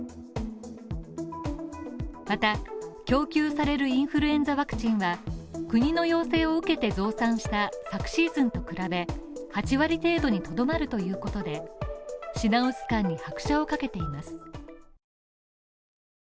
また供給されるインフルエンザワクチンが国の要請を受けて増産した昨シーズンと比べ８割程度にとどまるということで、品薄感に拍車をかけています。